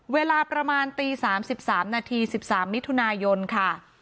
เวลาประมาณตีสามสิบสามนาทีสิบสามนิทุนายนค่ะ